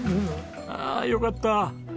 ああよかった。